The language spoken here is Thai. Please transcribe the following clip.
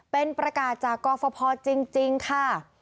เป็นประกาศจากกรฟภจริงค่ะ